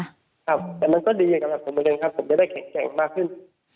แต่มันก็ดีกับผมเหมือนกันครับผมจะได้แข็งแก่งมากขึ้น